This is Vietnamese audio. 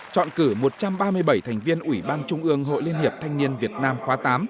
chọn cử một trăm ba mươi bảy thành viên ủy ban trung ương hội liên hiệp thanh niên việt nam khóa tám